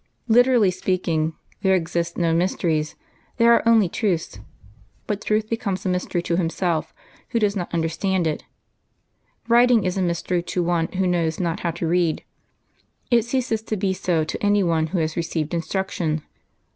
, Literally speaking, there exist no mysteries, there are only truths ; but truth becomes a mystery to him who does not understand it. Writing is a mystery to one who knows not how to read; it ceases to be so to any one who has re LIVES OF THE SAINTS 19 ceived instruction.